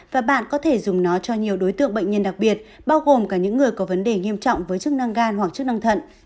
và bạn có thể dùng nó cho nhiều đối tượng bệnh nhân đặc biệt bao gồm cả những người có vấn đề nghiêm trọng với chức năng gan hoặc chức năng thận